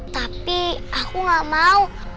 tapi aku gak mau